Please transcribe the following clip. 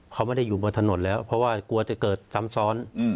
เขาไม่ได้อยู่บนถนนแล้วเพราะว่ากลัวจะเกิดซ้ำซ้อน